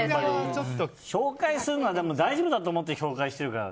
紹介するのは大丈夫だと思って紹介してるから。